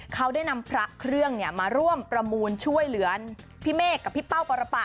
เขาได้นำพระเครื่องมาร่วมประมูลช่วยเหลือพี่เมฆกับพี่เป้าปรปะ